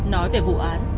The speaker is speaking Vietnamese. nói về vụ án